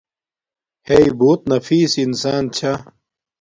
ہݵ بوت نفیس انسان چھا